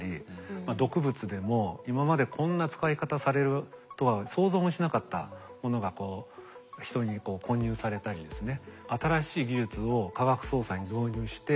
毒物でも今までこんな使い方されるとは想像もしなかったものが人に混入されたりですね。